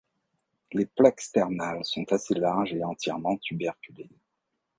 Les plaques sternales sont assez larges et entièrement tuberculées.